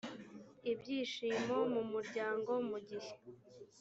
ibyishimo mu muryango mu gihe